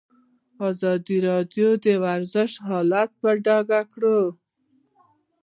ازادي راډیو د ورزش حالت په ډاګه کړی.